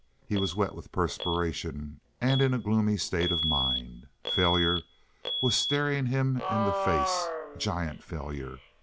He was wet with perspiration and in a gloomy state of mind. Failure was staring him in the face—giant failure.